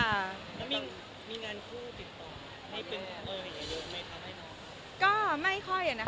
แล้วมีงานคู่ติดต่อไหมให้เป็นคนเคยอย่างไร